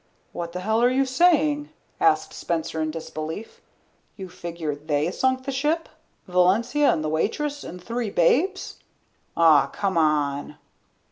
"What the hell are you sayin'?" asked Spencer in disbelief. "You figure they sunk the ship? Valencia and the waitress and the three babes? Ah, come on."